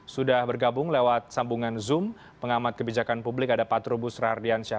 sudah bergabung lewat sambungan zoom pengamat kebijakan publik ada pak trubus rardiansyah